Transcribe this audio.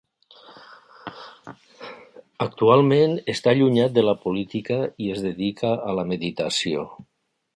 Actualment està allunyat de la política i es dedica a la meditació.